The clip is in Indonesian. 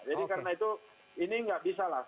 jadi karena itu ini tidak bisa lah